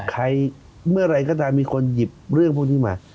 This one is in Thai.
ใครเมื่อไหร่ก็ตามมีคนหยิบเรื่องพวกนี้มา